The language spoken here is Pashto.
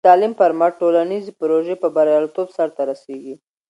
د تعلیم پر مټ، ټولنیزې پروژې په بریالیتوب سرته رسېږي.